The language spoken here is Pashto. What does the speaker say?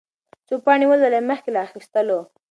څو پاڼې ولولئ مخکې له اخيستلو.